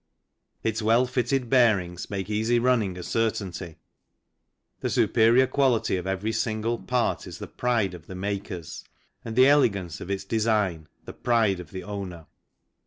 Its well fitted bearings make easy running a certainty, the superior quality of every single part is the pride of the makers, and the elegance of its design the pride of the owner.